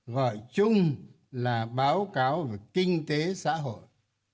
gọi chung là báo cáo về kinh tế xã hội